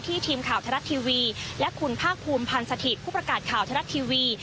ทุกทีมข่าวธรรมทรัฐทีวีและคุณภากภูมิพันธ์สถิตผู้ประกาศข่าวธรรมทรัฐทีวี